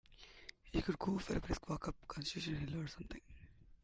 You could go for a brisk walk up Constitution Hill or something.